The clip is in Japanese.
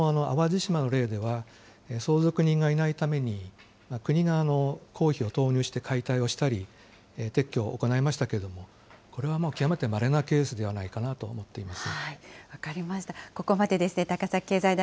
先ほどの淡路島の例では、相続人がいないために、国が公費を投入して解体をしたり、撤去を行いましたけれども、これはもう極めてまれなケースではないかなと思っています。